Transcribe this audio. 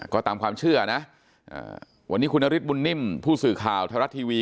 ก็ตามความเชื่อนะวันนี้คุณนฤทธบุญนิ่มผู้สื่อข่าวไทยรัฐทีวี